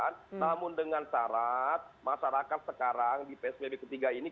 namun dengan syarat masyarakat sekarang di psbb ketiga ini